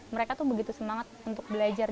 mereka tuh begitu semangat untuk belajar